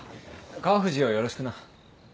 川藤をよろしくな。